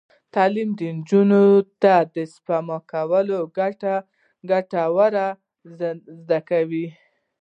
تعلیم نجونو ته د سپما کولو ګټې ور زده کوي.